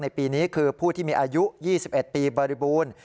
ปีนี้คือผู้ที่มีอายุ๒๑ปีบริบูรณ์